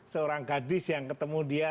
seorang gadis yang ketemu dia